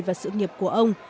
và sự nghiệp của ông